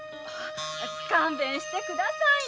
勘弁してくださいな。